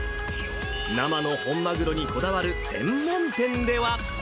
生の本マグロにこだわる専門店では。